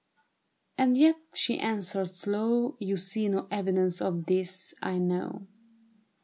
' And yet/ she answered slow, * You see no evidence of this, I know.